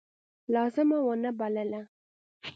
لازمه ونه بلله.